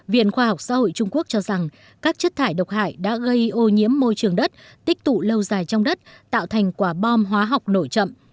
viện khoa học xã hội trung quốc cho rằng các chất thải độc hại đã gây ô nhiễm môi trường đất tích tụ lâu dài trong đất tạo thành quả bom hóa học nổi chậm